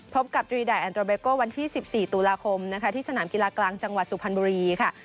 พบกับดรีไดแอนโตเบโก้วันที่๑๔ตุลาคมนะคะที่สนามกีฬากลางจังหวัดสุพรรณบุรีค่ะ